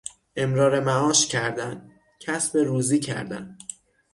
امرار معاش کردن، کسب روزی کردن